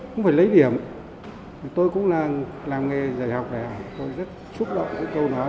tôi phải lấy điểm tôi cũng là làm nghề giải học đại học tôi rất xúc động với câu nói